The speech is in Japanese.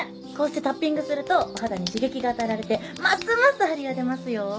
こうしてタッピングするとお肌に刺激が与えられてますます張りが出ますよ。